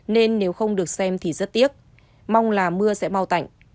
nên nếu không được xem thì rất tiếc mong là mưa sẽ bao tạnh